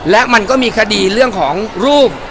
และมันก็มีคดีเรื่องของรูป